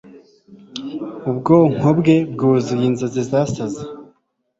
ubwonko bwe bwuzuye inzozi zasaze